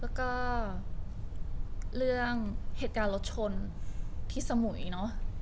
แล้วก็เรื่องเหตุการณ์รถชนที่สมุยเนอะ